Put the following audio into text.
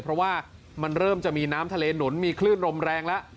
เพราะว่ามันเริ่มจะมีน้ำทะเลหนุนมีคลื่นลมแรงแล้ว